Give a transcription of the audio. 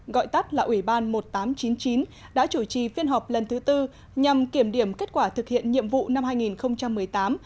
gọi tắt là ủy ban một nghìn tám trăm chín mươi chín đã chủ trì phiên họp lần thứ tư nhằm kiểm điểm kết quả thực hiện nhiệm vụ năm hai nghìn một mươi tám